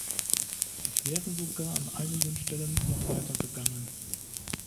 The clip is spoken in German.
Ich wäre sogar an einigen Stellen noch weiter gegangen.